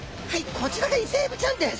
こちらがイセエビちゃんです！